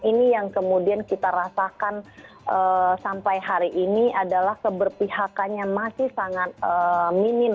ini yang kemudian kita rasakan sampai hari ini adalah keberpihakannya masih sangat minim